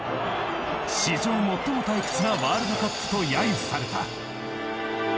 史上最も退屈なワールドカップと揶揄された。